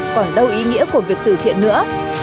còn đâu ý nghĩa của việc từ thiện nữa